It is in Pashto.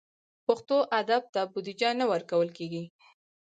پښتو ادب ته بودیجه نه ورکول کېږي.